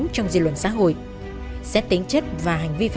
tôi muốn tiêu thú